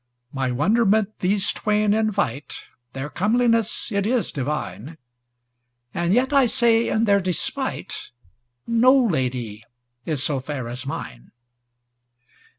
My wonderment these twain invite, Their comeliness it is divine; And yet I say in their despite, No lady is so fair as mine.